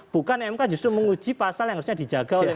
bukan mk justru menguji pasal yang harusnya dijaga oleh